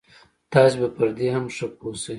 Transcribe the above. تاسې به پر دې هم ښه پوه شئ.